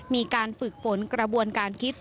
มีการฝึกฝนกระบวนการคิด